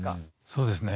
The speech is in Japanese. そうですね。